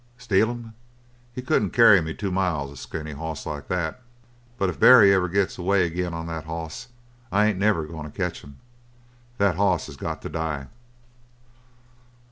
"Steal him? He couldn't carry me two mile, a skinny hoss like that. But if Barry ever gets away agin on that hoss I ain't never goin' to catch him. That hoss has got to die."